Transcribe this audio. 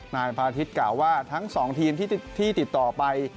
นายพาทิตย์กล่าวว่าทั้ง๒ทีมที่ติดต่อไป